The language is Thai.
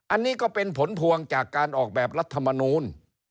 อันนี้ก็เป็นผลพวงจากการออกแบบรัฐมนูล